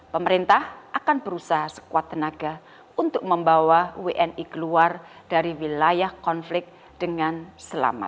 pemerintah akan berusaha sekuat tenaga untuk membawa wni keluar dari wilayah konflik dengan selamat